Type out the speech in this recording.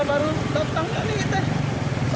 kita baru dua belas tahun lagi kita